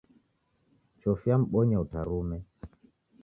Chofi yambonya utarume.